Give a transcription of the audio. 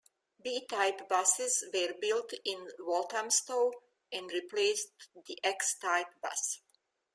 B-type buses were built in Walthamstow and replaced the X-type bus.